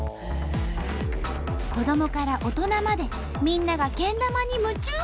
子どもから大人までみんながけん玉に夢中！